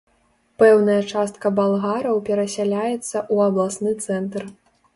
Пэўная частка балгараў перасяляецца ў абласны цэнтр.